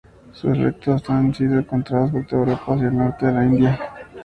Sus restos han sido encontrados por toda Europa hasta el norte de la India.